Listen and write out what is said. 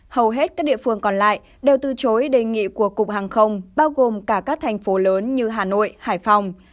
hầu hết các địa phương còn lại đều từ chối đề nghị của cục hàng không bao gồm cả các thành phố lớn như hà nội hải phòng